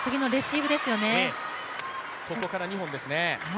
ここから２本ですね。